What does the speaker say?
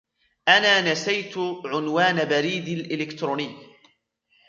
أنا نسيت عنوان بريدي الإلكتروني.